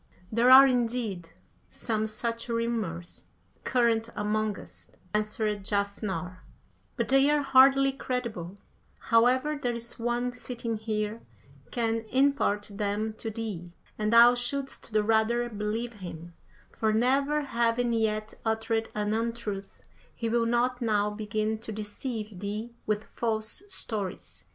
"There are, indeed, some such rumours current among us," answered Jafnhar, "but they are hardly credible; however, there is one sitting here can impart them to thee, and thou shouldst the rather believe him, for never having yet uttered an untruth, he will not now begin to deceive thee with false stories."